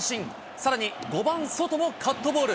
さらに５番ソトもカットボール。